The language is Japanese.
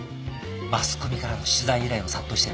マスコミからの取材依頼も殺到してる。